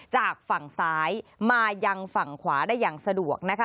จากฝั่งซ้ายมายังฝั่งขวาได้อย่างสะดวกนะคะ